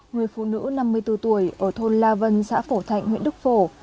người phụ nữ năm mươi bốn tuổi ở thôn la vân xã phổ thạnh huyện đức phổ